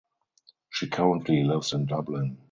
She currently lives in Dublin.